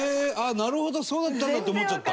なるほどそうだったんだ」って思っちゃった。